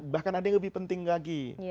bahkan ada yang lebih penting lagi